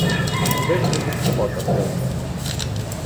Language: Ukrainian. Де ж би тут собака взявся?